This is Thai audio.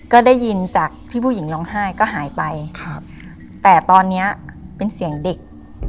ก็ได้ยินจากที่ผู้หญิงร้องไห้ก็หายไปครับแต่ตอนเนี้ยเป็นเสียงเด็ก